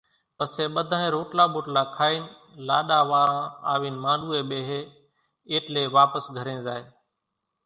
پسيَ ٻڌانئين روٽلا ٻوٽلا کائينَ لاڏا واران آوينَ مانڏوُئيَ ٻيۿيَ ايٽليَ واپس گھرين زائيَ۔